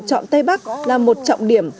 chọn tây bắc là một trọng điểm